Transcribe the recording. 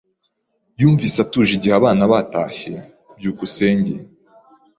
Yumvise atuje igihe abana batashye. byukusenge